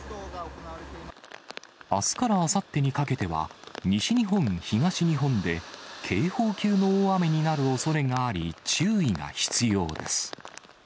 あすからあさってにかけては、西日本、東日本で警報級の大雨になるおそれがあり、注意が必要です。